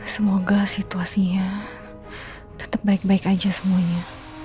semoga situasinya tetap baik baik aja semuanya